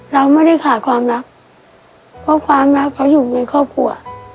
เราไม่ได้ขาดความรักเพราะความรักเขาอยู่ในครอบครัว